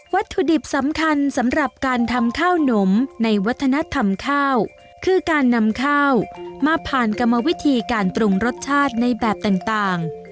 วัตถุดิบสำคัญสำหรับการทำข้าวหนมในวัฒนธรรมข้าวคือการนำข้าวมาผ่านกรรมวิธีการปรุงรสชาติในแบบต่าง